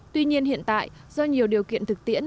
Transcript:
tuy nhiên hiện tại do nhiều điều kiện thực tiễn